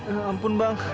eh eh ampun bang